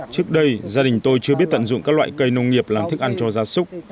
trước đây gia đình tôi chưa biết tận dụng các loại cây nông nghiệp làm thức ăn cho gia súc